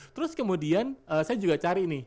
terus kemudian saya juga cari nih